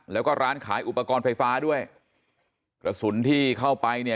แล้วก็ร้านขายอุปกรณ์ไฟฟ้าด้วยกระสุนที่เข้าไปเนี่ย